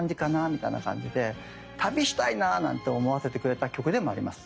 みたいな感じで旅したいななんて思わせてくれた曲でもあります。